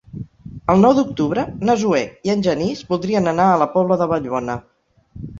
El nou d'octubre na Zoè i en Genís voldrien anar a la Pobla de Vallbona.